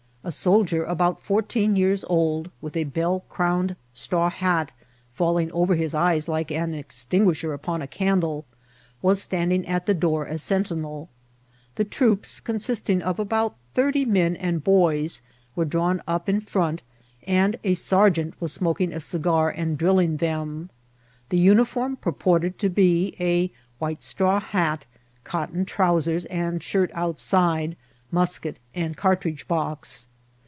A soldier about fourteen years old, with a bell crown 86 INCIBINTI OF TEATIL. ed Straw hat falling over his eyes like an extingnisher upon a candle, was standing at tha door as sentineL The troops, consisting of abont thirty men and boys, were drawn up in firont, and « sergeant was gtnnlrjng a cigar and drilling them. The uniform purported to be a white straw hat, cotton trousers and shirt outside, musket, and cartridge box.